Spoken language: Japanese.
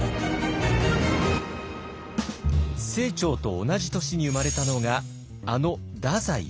清張と同じ年に生まれたのがあの太宰治。